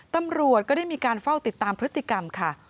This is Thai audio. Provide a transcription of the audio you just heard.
ตำรวจก็ได้มีการเฝ้าติดตามพฤติกรรมค่ะ